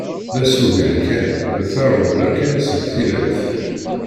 D asugen kan, d tarewla kan seg tillawt.